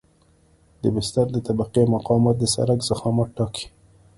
د بستر د طبقې مقاومت د سرک ضخامت ټاکي